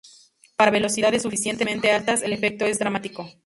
Para velocidades suficientemente altas, el efecto es dramático.